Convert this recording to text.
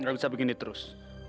nggak bisa begini terus